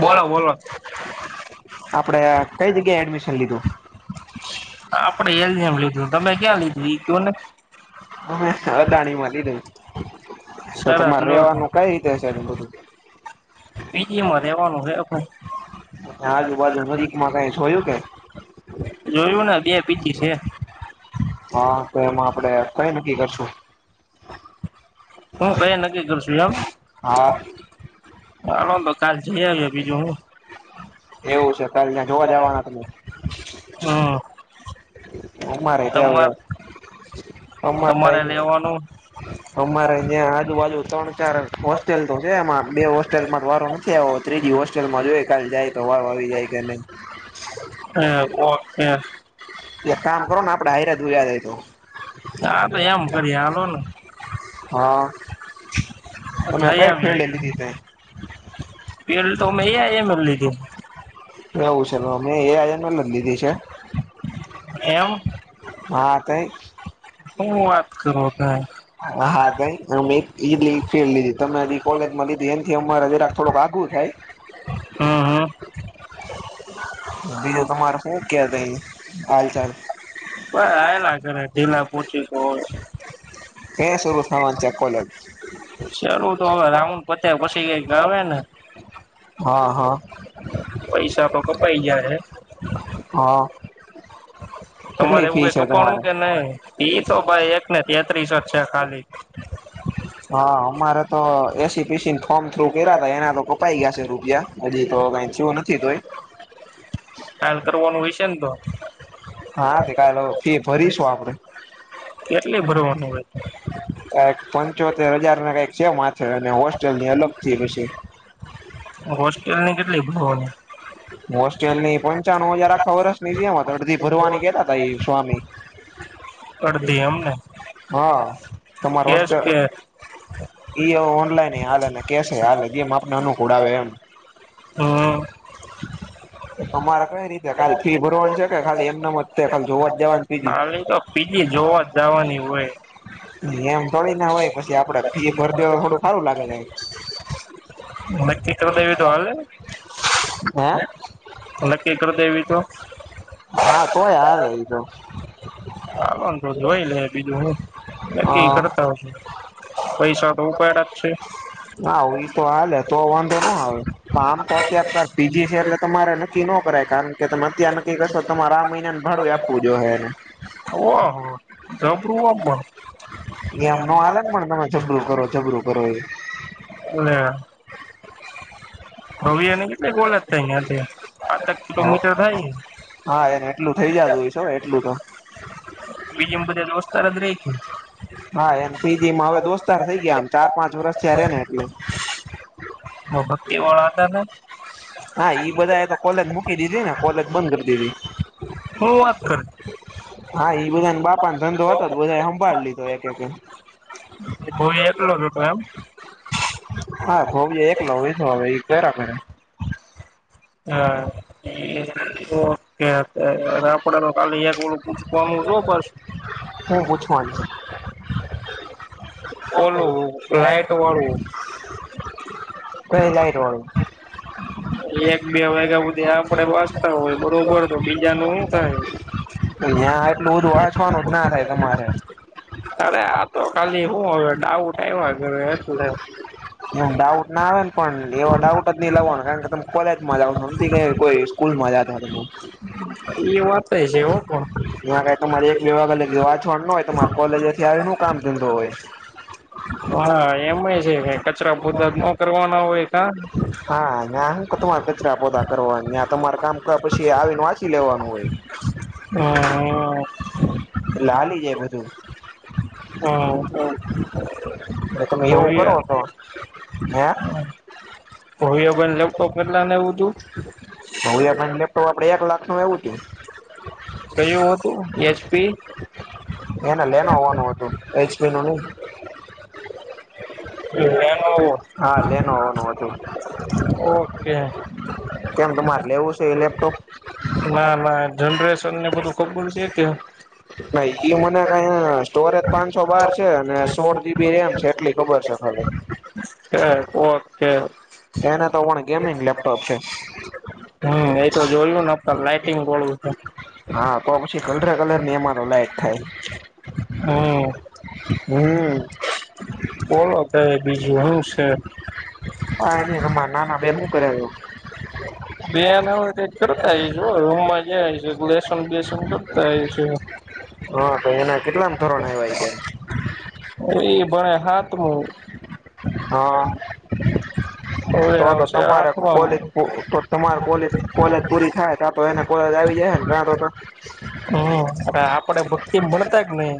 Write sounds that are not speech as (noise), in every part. બોલો બોલોલો આપડે અહ કઈ જગ્યાએ એડમિશન લીધું? આપડે એલ જે મેં લીધું તમે ક્યાં લીધું ઈ ક્યું ને? અમે અદાણી માં લીધે તો સરસ તમારે લો રેવાનું કઈ રીતે છે બધું? પી જી માં રહેવાનું છે આપડે. આજ ઉભા જી એક વીક માં થયું કાંઈ? જોયું ને બે પી જી છે. હા તો એમાં આપડે કઈ નક્કી કરશું? હું કયા નક્કી કરશું એમ? હા હાલો તો કાલ જઈ આવીયે બીજું હું. એવું છે કાલ ત્યાં જોવા જવાના તમે. હમ અમારે તો તમા હવે અમા તમારે રેવાનું અમારે ત્યાં આજુબાજુ ત્રણ ચાર હોસ્ટેલ તો છે એમાં બે હોસ્ટેલમાં વારો ને છે ત્રીજી હોસ્ટેલમાં જોય કાલ જાય તો વાર આવી જાય કે નહી. હૈ ઓ તે. એક કામ કરો ને આપડે હરા દુયા જાય તો. હા તો એમ કરીએ હાલો ને હા. અને જઈ કઈ આવીએ ફિલ્ડે લીધી તે? પેલ તો મે એમ જ લીધી એવું છે અમે એ હજને લ લીધી છે. એમ હા તઈ હું વાત કરો તમે હા તયી અમે ઈ ફેલ લીધી તમે કોલેજ માં લીધીખ એમથી અમારે જરા થોડો બાઘુ થાય હમ હમ બીજું તમારે શું કે તઈ હાલ ચાલ બ આલા ઘરે ઢીલા પહોંચી ગો. ક્યાં શરૂ થવાની છે કોલેજ ચાલું તો હવે રાઉન્ડ પતે પછી કઈક આવે ને હા, હા, પૈસા તો કપાઈ ગયા હે હા. તમારે કેટલી એવું ફી કઈ છે તમારે કપણવું કે નહી ઈ તો ભાઈ એક ને તેત્રી અજ છે ખાલી. (inaudible) હા અમારે તો એસી પી સી ફોર્મ થ્રુ કર્યા ત એના તો કપાઈ ગયા છે રૂપિયા હજી તો કઈ થીયુ નથી તો એ ખ્યાલ કરવાનું હોય છે ને તો હા દેખાએ લો ફી ફરીશું આપડે કેટલી ભરવાનું હોય આ એક પંચોતેર હજાર ના કઈક છે માથે અને હોસ્ટેલ ની અલગથી પછી. હોસ્ટેલની કેટલી ભરવાની હોસ્ટલની પંચાણું હજાર આ થા વરસ ની જે એમ તો અડધી ભરવાની કેતા તા એ સ્વામી અડધી એમને હા, તમારો ગેસ હોસ્ટલ કે એ ઓનલાઈન હાલે ને કેસ હાલે ને જેમ આપનાનો અનુકૂળ આવે એમ હા. અમારે કઈ રીતે ખાલી ફી ભરવાનું છે કે ખાલી એમના મસ્તે ખાલી જોવા જવાનું. આ પીજી ખાલી તો પીજી જાવા જવાની હોય. એમ થોડીના હોય પછી આપડે ફી ભરદે થોડું સારું લાગે કાઈ. નકી કર દેવી તો હાલે, હે નકી કર દેવી તો હા, તોય હાલે ઈ તો. હા હાલોને તો જોઈ લે બીજું હું નકી અ કરતા હશે. પૈસા તો ઉપાડ જ છે. હા, હુઈ તો હાલે તો વાંધો નો આવે. તો આમ તો અત્યારે પાર પી જી છે એટલે તમારે નક્કી નો કરાય કારણ કે તમે અત્યાર નક્કી કરશો તમારે આ મહિના ને ભાડું આપવું જો હે એને. ઓ ઓહ હ જબરું હ્ એમ પણ નો હાલે ને પણ જબરું કરો જબરું કરો નેઅ રવિ અને કેટલી ગોલજ થાઈ અહિયા થી પાચે ક કિલોમીટર થાય હા એને એટલું થઇ જાતું હશે એટલું તો પી જી મા બઘા દોસ્તાર જ રહે છે ને હા એમ પીજી મા હવે દોસ્તાર થઇ ગયા ચાર પાંચ વરષ તયા રે ને એટલે બ ભક્તિવાળા હતા ને હા ઈ બધા એ તો કોલેજ મૂકી દીધી ને કોલેજ બંધ કરી દીધી હું વાત કરે. હા એ બધાને બાપાને ધંધો હતો તો બધાએ સંંભાળ લીધો એટલે કે ભોઈ એકલો જ હતો એમ હા ભવય એકલો (unintelligible) હવે ઈ કરયા રાખે હા (unintelligible) ઓકે ચાલો કાલે એક ઓલુ પૂછવાનું છુ પડશે હું પૂછુંવા નું છે ઓલું લાઈટ વાળું કઈ લાઈટ વાળું એક બે વાગ્યા હુધી આપડે વાચતા હોય બરોબર તો બીજા નું હુ ધહે ન્યાં એટલું બધું વાંચવાનું જ ના થાય તમારે અરે આ તો ખાલી હું હવે ડાઉટ આવ્યા છે એટલે એમ ડાઉટ ના આવેને પણ એવા ડાઉટ જ નહી લાવવાનો કારણ કે ત કોલેજમા જાવ જો નથી કોઈ સ્કૂલ મા જાતા ઈ વાતેએ છે હો પણ ત્યાં કઈ તમારે એક વિભાગવાછોડ ન હોય તમારે કોલેજથી આવી ન કામ ધંધો હોય હા એમય છે કે કચરા પોતા ન કરવાના હોય કા હા ના હુ તમારે કચરા પોતા કરવાનના નાય તમારે કામ ક પછી આવીને વાંચી લેવાનું હોય. (inaudible) હઅ હાલી જાય બધું હ હ (inaudible) એટલે તમે એવું કરો તો હે ભવ્ય ભાઇ ને લેપટોપ કેટલાનું આવ્યુ તું. ભવ્ય ભાઇ નું લેપટોપ આપડે એક લાખ નું આવ્યું હતું. કયું હતું એચપી એને લેનો હોવાનું હતું એચપી નું નહ લેનોવો (inaudible) હા લેનોવા નું હતું. ઓકે કેમ તમારે લેવું છે એ લેપટોપ. ના ના જનરેશન ને બધું ખબર છે કે નઈ એ મને કઈ સ્ટોરેજ પાંચસો બાર છે અને સોળ જીબી રેમ છે એટલી ખબર છે ખાલી હ (unintelligible) ઓકે એને તો પણ ગેમિંગ લેપટોપ છે. હમ એતો જોયુ ને પણ લાઈટિંગ બોલવું છે હા તો પછી કલરે કલરની એમાં તો લાઇટ થાય. હમ્મ હમ્મ બોલો કઈ બીજું હું છે. હા એને મા નાના બે હું કરે છે. બેહ ન હોય કરતા આઈશું રૂમમાં જઈશ તો લેસન બેસન કરતા આવીશું હા તો એના કેટલામ ધોરણ આવ્યા ઈ ઈ ભણે હાતમું હા. હવે તો તો આવશે તમારે આઠમામાં કોલેજ પુ તમારે કોલેજ કોલેજ પૂરી થાય તા તો એને કોલેજ આવી જા હે ને તાતો હમ આપડે ભક્તિ મનતા જ નહી.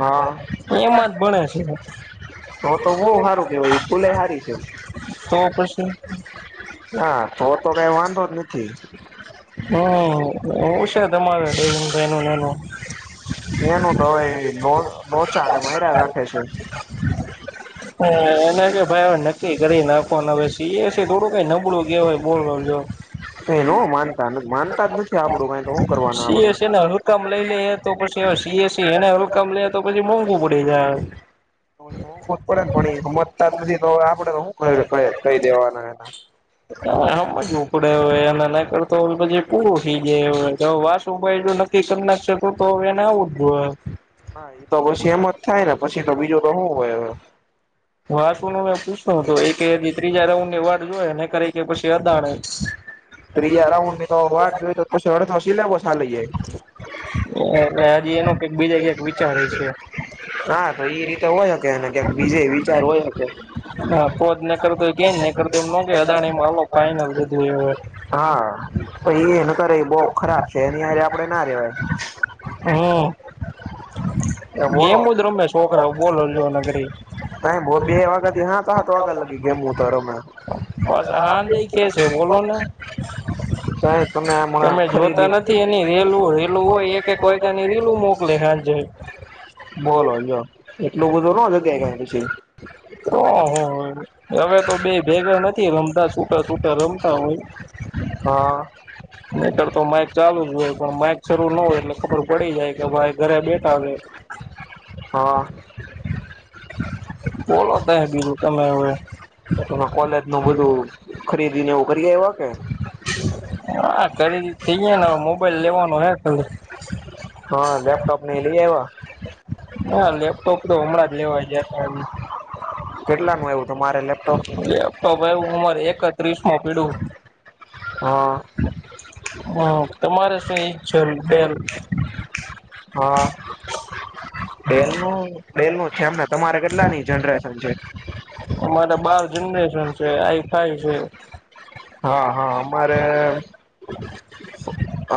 હા એમાં જ ભણે છે. તો તો બવ સારું કેવાય સ્કૂલે હારી છે. તો પછી હા તો તો કઈ વાંધો જ નથી હમ્મ એવું છે તમારે (unintelligible) ભાઈ ને એનું એનું તો હવે લોચા કે માર્યા રાખે છે. હ એને કે ભાઈ હવે નક્કી કરી નાખવાનું તો એ હશે થોડું કઈ નબળું કેવાય બોલ જો તો ન માનતા માનતા જ નથી આપડું કઈ તો હું સી હશે ને રકમ લઈ લઈએ તો પછી હવે સી એ સી એને રકમ લઈએ તો પછી મોંઘું પડી જાય. તો મોંઘું પડે ને પણ એ હમજતા જ નથી તો આપડે તો શું કહી દેવાના એના. હા સમજવુ પડે હોય એને નઈ કરોતો હો પછી પૂરું થઈ જાય એ વાસ ઉભા ઈ ગિયું ને નાત્ર (unintelligible) તો હવે એને આવું જ હા એ તો પછી એમ જ થાય ને પછી તો બીજું તો શું હોય હવે. હા શું નું મે પૂછતો હતું એકે ત્રીજા રાઉન્ડની એ વાત જોયને કરી કે પછી અદાણ ત્રીજા રાઉન્ડની તો વાત જો તો શળ વસી લેવો સાલીઈએ (unintelligible) એટલે હજી એનો કઈક બીજા ક્યાક વિચારે હ છે. (inaudible) હા તો એ રીતે હોય હકેને કં બીજે વિચાર હોય શકે હા પોજ કરતો ગને કરતો એમ ન અદાણી એ ફાઇનલ બધું હવે પછી એને કરે બહુ ખરાબ છે. એની આપડે ના રેવાય હમ્મ બોલો ગેમ બ રમે છોકરા બોલો નગરી ત બો બે વખત તો હતા તો આગ લગી ગયામ તોર મે પાછા હાંજે કે છે બોલો ને કહે તમે હમણા જોતા ખરીદી નથી રેલું રેલું હોય એક એક વાગ્યે ની રેલું મોકલે હાજે જાય બોલો જો એટલું બધુ નો જગાય પછી ઓહ હવે તો બે ભેગા નથી રમતા છૂટા છૂટા રમતા હોય હા નહીતર તો માઈક ચાલુ જ હોય પણ માઇક શરૂું ન હોય એટલે ખબર પડી જાય કે ભાઈ ઘરે બેઠા આવે હા બોલતા હ બીજુ તમે હવે ત કોલેજ નું બધું ખરીદી ને એવું કરી આયવા કે હા ખરીદી થઈે ને હવે મોબાઈલ લેવાનો હે ખાલી હા લેપટોપ ને લઈ આવ્યા (inaudible) હા લેપટોપ તો હમણાં જ લેવા ગયા હતા એ કેટલાનું આયવું હતું તમારે લેપટોપ વય ઉંમર એકત્રીસ માં પીડયુ હા- હ તમારે શું એક છે. બેલ હા- બેલ ન બેલ નું છે. એમને તમારે કેટલાની જનરેશન છે. અમારે બાર જનરેશન છે. વાઈ ફાઈ છે. હા હા અમારે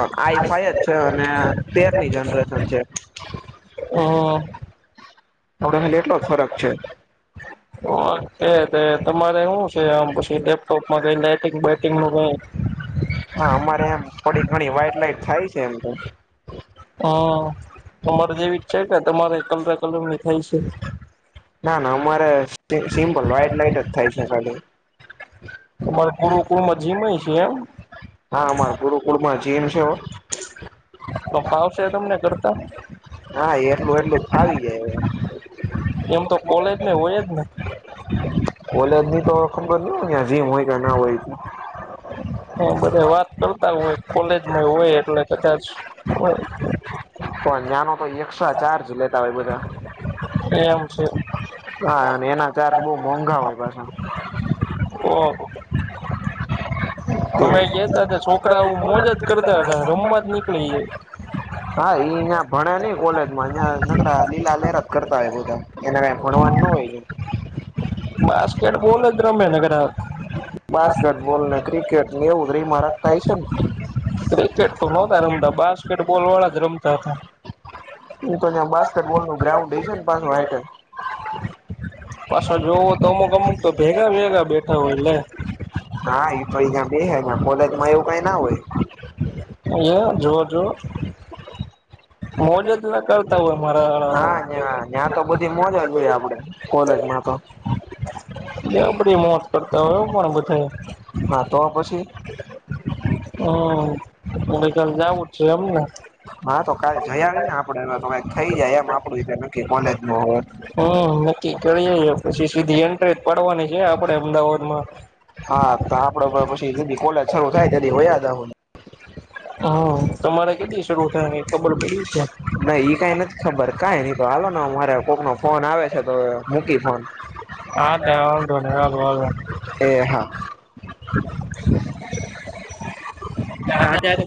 આઈફાઈ છે. અને તેરની જનરેશન છે. હમ્મ આપણા હાલી એટલો જ ફરક છે. કે તમારે શું છે. આ પછી લેપટોપમાં કઈ લાઈટિંગટંગ નું કઈ- હા અમારે એમ થોડી ઘણી વાાઈટ લાઈટ થાય છે. એમ તો- હમ તમારે જેવીચ છે. કે તમારે કલરે કલર ની થાય છે. ના ના અમારે સિમ્પલ વ્હાઈટ લાઈટ જ થાય છે. ખાલી તમારે ગુરુકમાં જીમ છે. એમ હા અમાર ગુરુકુળમાં જીમ છે. તો ફાવશે તમને કરતા- હા એટલું એટલું ફાઇ જાય એ- એમ તો કોલેજમાં હોય જ ને કોલેજ ની તો ખબર ન હોય જીમ હોય કે ના હોય- હા બધા વાત કરતા હોય કોલેજમાં હોય એટલે કદાચ હોય- પણ નાનો તો એકક્સ્ટ્રા ચાર્જ લેતા હોય બધા- એમ છે હા અને એના ચાર્જ બહ મોંઘા હોય પાછા- ઓ- અમે ગયા તા હતા છોકરા આવું મોજ જ કરતા હતા રમવા જ નીકળી- હા ઈ અહીં ભણે નઈ કોલેજ માં અં નકરા લીલા લેર જ કરતા હોય બધાં- એને ભણવાનું ન હોય- બાસ્કેટબોલ જ રમ્યાનગર- બાસ્કેટ બોલ ને ક્રિકેટ ની એ ઉધરી મારક થાય છે. ને- ક્રિકેટ તો નહતા રમતા બાસ્કેટ બોલ વાળા જ રમતા હતા- હું તો ત્યાં બાસ્કેટોલું ગ્રાઉન્ડ હ છે ને પાછ હઇટલ- પાછળ જોવ હો તો અમુક અમુક તો ભેગા ભેગા બેઠા હોય એટલે- હા તો અ બે હ કોલેજમાં એવું કઈ ના હોય- અયા જોઓ જો- મોજ જ ના કરતા હોય મારાળ હા પણ- ત્યાં તો બધી મજા જોઈએ આપડે કોલેજમાં તો- એ બડી મોત કરતા હોય એવ પણ બધા- હા તો પછી- હમ ગઈ કલ જવું જ છે એમને- હા તો કાલે જયા નય ને આપડે થઈ જાય એમ આપડુંતે નકી કોલેજ ન હોત- હમ નક્કી કરીએ પછી સીધી એન્ટ્રે પાડવાની છે આપડે અમદાવાદમાં- હા તો આપડે પછી દ કોલેછારું થાય ત્યારે હોયા હતા- હા તમારે કેલી શરૂ થાયને ખબર પડી છે. નઈ ઈ કઈ નથી ખબર કઈ ન તો હાલો મારે કોક નો ફોન આવે છે તો મૂકી ફોન- હા ત્યાો હ હ- એ હા- હાતે -